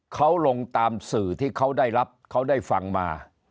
เขาลงตามสื่อที่เขาได้รับเขาได้ฟังมา